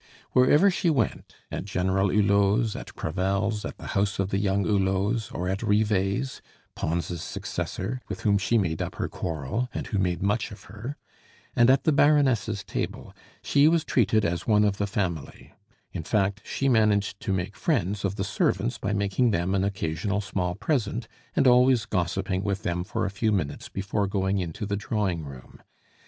Wherever she went at General Hulot's, at Crevel's, at the house of the young Hulots, or at Rivet's (Pons' successor, with whom she made up her quarrel, and who made much of her), and at the Baroness' table she was treated as one of the family; in fact, she managed to make friends of the servants by making them an occasional small present, and always gossiping with them for a few minutes before going into the drawing room.